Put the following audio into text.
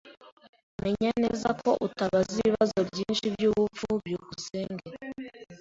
Menya neza ko utabaza ibibazo byinshi byubupfu. byukusenge